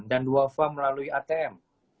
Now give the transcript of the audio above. dan duofa melalui atm